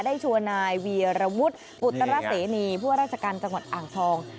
ได้ชวนายเวียระวุฒิปุฏรสเนียพวกราชกรรมจังหวัดอ่างทอง